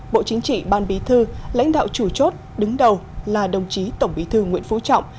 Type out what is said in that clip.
bộ chính trị ban bí thư lãnh đạo chủ chốt đứng đầu là đồng chí tổng bí thư nguyễn phú trọng